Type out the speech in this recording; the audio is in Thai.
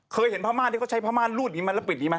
เคยเห็นผ้าม่านเขาใช้ผ้าม่านลู่ดให้มาแล้วปิดดีไหม